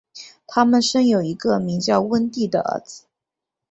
他们生有一个名叫温蒂的儿子。